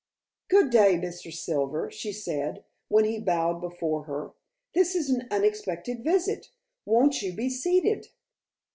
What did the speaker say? "Good day, Mr. Silver," she said, when he bowed before her. "This is an unexpected visit. Won't you be seated?"